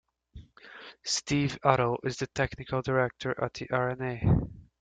Steve Otto is the technical director at the R and A.